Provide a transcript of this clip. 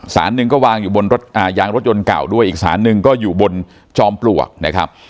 หนึ่งก็วางอยู่บนรถยางรถยนต์เก่าด้วยอีกสารหนึ่งก็อยู่บนจอมปลวกนะครับ